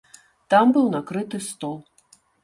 Там быў накрыты стол.